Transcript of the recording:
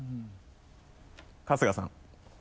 春日さん。